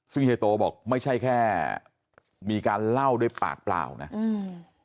ซึ่งเฮียโตบอกไม่ใช่แค่มีการเล่าด้วยปากเปล่านะอืม